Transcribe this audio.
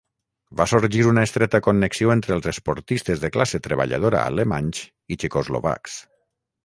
Va sorgir una estreta connexió entre els esportistes de classe treballadora alemanys i txecoslovacs.